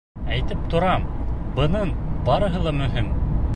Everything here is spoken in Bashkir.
Әйтеп торам, бының барыһы ла мөһим.